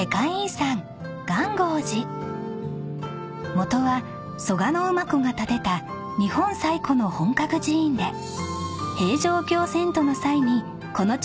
［元は蘇我馬子が建てた日本最古の本格寺院で平城京遷都の際にこの地に移築されました］